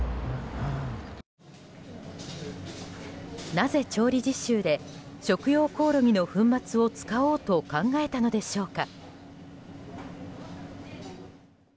なぜ調理実習で食用コオロギの粉末を使おうと考えたのでしょうか。